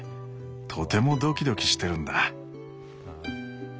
とてもドキドキしてるんだ。